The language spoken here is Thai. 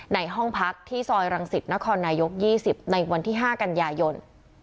ในห้องพักที่ซอยรังสิตนครนายก๒๐ในวันที่๕กันยายน